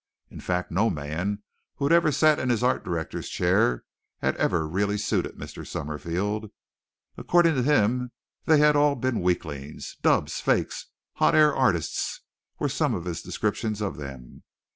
In fact no man who had ever sat in the director's chair had ever really suited Mr. Summerfield. According to him they had all been weaklings. "Dubs; fakes; hot air artists," were some of his descriptions of them.